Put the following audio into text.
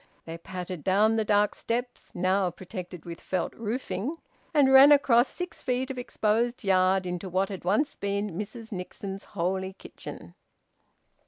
They pattered down the dark steps (now protected with felt roofing) and ran across six feet of exposed yard into what had once been Mrs Nixon's holy kitchen.